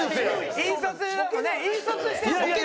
引率してる。